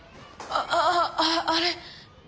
あああれ？